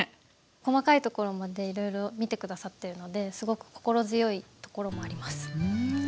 細かいところまでいろいろ見て下さってるのですごく心強いところもあります。